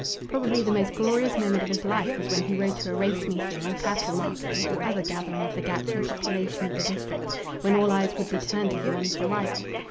Probably the most glorious moment of his life was when he rode to a race meeting or cattle marking or other gathering of the gaucho population of the district, when all eyes would be turned to him on his arrival.